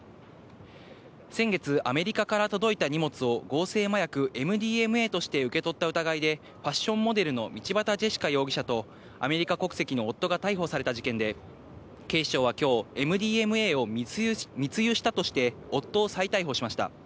先月、アメリカから届いた荷物を、合成麻薬ＭＤＭＡとして受け取った疑いで、ファッションモデルの道端ジェシカ容疑者とアメリカ国籍の夫が逮捕された事件で、警視庁はきょう、ＭＤＭＡを密輸したとして、夫を再逮捕しました。